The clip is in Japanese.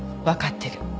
わかってる。